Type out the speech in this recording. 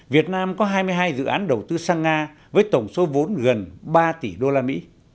việt nam có hai mươi hai dự án đầu tư sang nga với tổng số vốn gần ba tỷ usd